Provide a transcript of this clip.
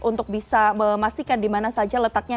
untuk bisa memastikan dimana saja letaknya